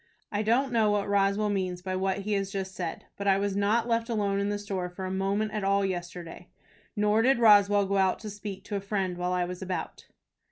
I don't know what Roswell means by what he has just said, but I was not left alone in the store for a moment all day yesterday, nor did Roswell go out to speak to a friend while I was about."